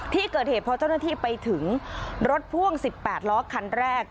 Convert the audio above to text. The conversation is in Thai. ที่เกิดเหตุพอเจ้าหน้าที่ไปถึงรถพ่วง๑๘ล้อคันแรก